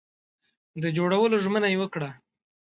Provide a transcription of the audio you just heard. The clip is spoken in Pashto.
د جوړولو ژمنه یې وکړه.